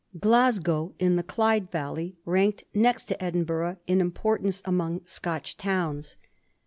Glasgow, in the Clyde valley, ranked next to Edinburgh in importance among Scotch towns.